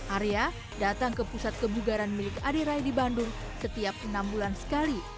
area datang ke pusat kebugaran milik aderai di bandung setiap enam bulan sekali